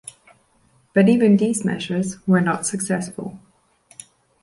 But even these measures were not successful.